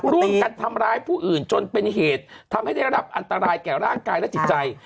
ร่วมกันทำร้ายผู้อื่นจนเป็นเหตุทำให้ได้รับอันตรายแก่ร่างกายและจิตใจ